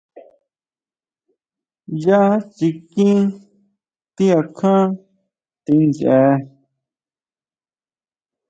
Yá chiquin ti akján ti ndsje.